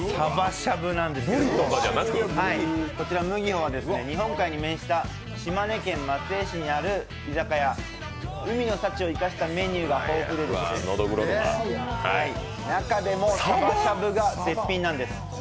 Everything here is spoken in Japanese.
こちら麦穂は日本海に面した島根県松江市にある居酒屋、海の幸を生かしたメニューが豊富で、中でも鯖しゃぶが絶品なんです。